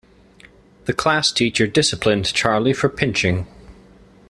The classteacher disciplined Charlie for pinching.